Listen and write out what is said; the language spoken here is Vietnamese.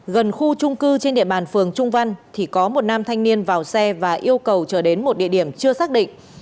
gần khu trung cư trên địa bàn phường trung văn thì có một nam thanh niên vào xe và yêu cầu trở đến một địa điểm chưa xác định